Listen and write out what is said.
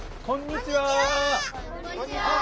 こんにちは！